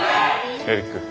エリック。